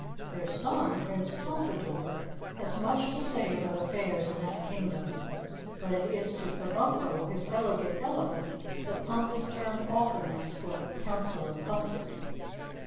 Their son, Prince Pompadore, has much to say about affairs in that Kingdom, but it is to Kabumpo, his Elegant Elephant, that Pompus turned oftenest for counsel and comfort.